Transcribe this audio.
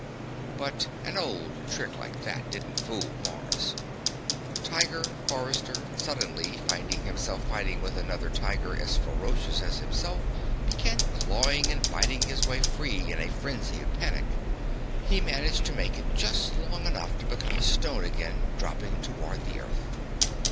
But an old trick like that didn't fool Mars. Tiger Forrester, suddenly finding himself fighting with another tiger as ferocious as himself, began clawing and biting his way free in a frenzy of panic. He managed to make it just long enough to become a stone again, dropping toward the Earth.